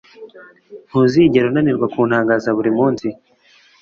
Ntuzigera unanirwa kuntangaza. Buri munsi